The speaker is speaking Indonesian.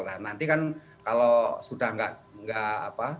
nah nanti kan kalau sudah enggak enggak apa